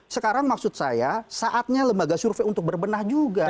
sekarang maksud saya saatnya lembaga survei untuk berbenah juga